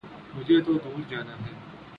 مجھے تو دور جانا ہے